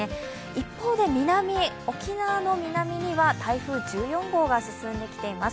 一方で南、沖縄の南には台風１４号が進んできています。